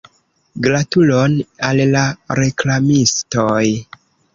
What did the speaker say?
Gratulon al la reklamistoj.